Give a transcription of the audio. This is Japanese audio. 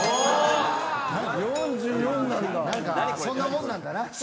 そんなもんなんだな。